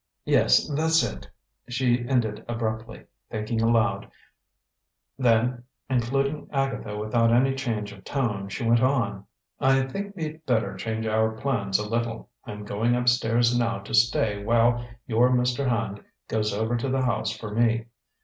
"Yes, that's it," she ended abruptly, thinking aloud; then including Agatha without any change of tone, she went on: "I think we'd better change our plans a little. I'm going up stairs now to stay while your Mr. Hand goes over to the house for me.